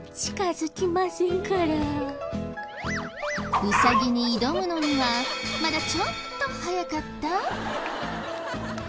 ウサギに挑むのにはまだちょっと早かった？